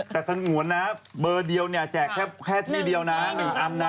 แต่สงวนนะเบอร์เดียวเนี่ยแจกแค่ที่เดียวนะ๑อันนะ